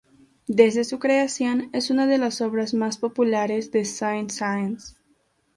Desde su creación es una de las obras más populares de Saint-Saëns.